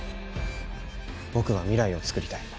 僕は未来をつくりたい。